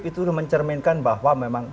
itu mencerminkan bahwa memang